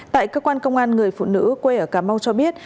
tại cơ quan công an người phụ nữ quê ở cà mau cho biết